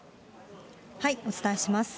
お伝えします。